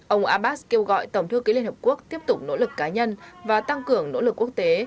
ông abbas kêu gọi tổng thư ký liên hợp quốc tiếp tục nỗ lực cá nhân và tăng cường nỗ lực quốc tế